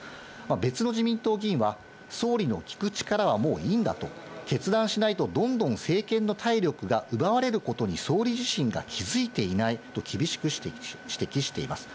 別の自民党議員は、総理の聞く力はもういいんだと、決断しないと、どんどん政権の体力が奪われることに、総理自身が気付いていないと、厳しく指摘しています。